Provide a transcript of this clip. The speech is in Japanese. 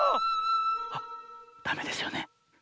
あダメですよね？